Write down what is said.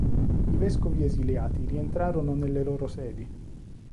I vescovi esiliati rientrarono nelle loro sedi.